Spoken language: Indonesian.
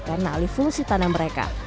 mengalih fungsi tanam mereka